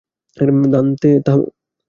দান্তে, থামো।